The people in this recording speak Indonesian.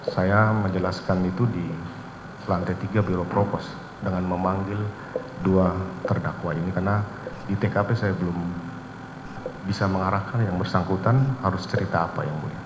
saya menjelaskan itu di lantai tiga biro propos dengan memanggil dua terdakwa ini karena di tkp saya belum bisa mengarahkan yang bersangkutan harus cerita apa yang mulia